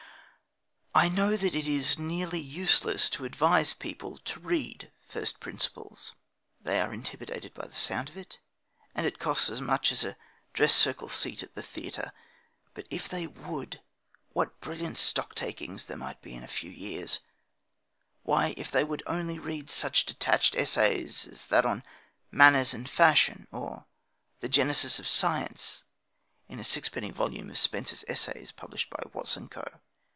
I know that it is nearly useless to advise people to read First Principles. They are intimidated by the sound of it; and it costs as much as a dress circle seat at the theatre. But if they would, what brilliant stocktakings there might be in a few years! Why, if they would only read such detached essays as that on "Manners and Fashion," or "The Genesis of Science" (in a sixpenny volume of Spencer's Essays, published by Watts and Co.)